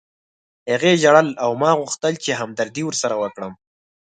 هغې ژړل او ما غوښتل چې همدردي ورسره وکړم